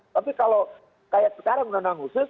tapi kalau kayak sekarang undang undang khusus